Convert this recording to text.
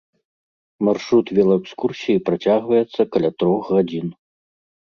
Маршрут велаэкскурсіі працягваецца каля трох гадзін.